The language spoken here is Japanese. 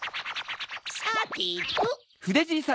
さてと。